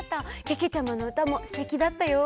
けけちゃまのうたもすてきだったよ！